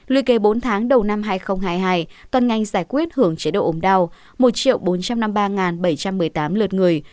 lùi kê bốn tháng đầu năm hai nghìn hai mươi hai toàn ngành giải quyết hưởng chế độ ồm đau một bốn trăm năm mươi ba bảy trăm một mươi tám lượt người